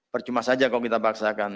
percuma saja kok kita paksakan